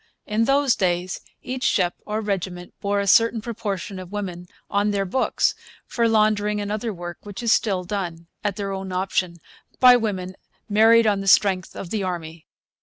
In those days each ship or regiment bore a certain proportion of women on their books for laundering and other work which is still done, at their own option, by women 'married on the strength' of the Army.